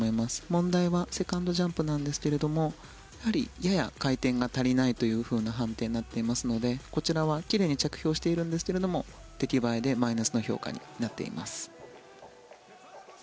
問題はセカンドジャンプなんですがやはりやや回転が足りないというような判定になっていますのでこちらは奇麗に着氷しているんですが出来栄えでマイナスの評価になっています。